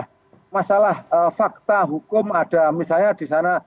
ada masalah fakta hukum ada misalnya di sana